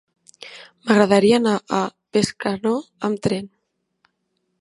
M'agradaria anar a Bescanó amb tren.